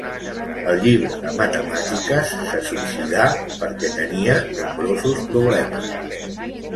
El llibre de matemàtiques se suïcidà perquè tenia nombrosos problemes.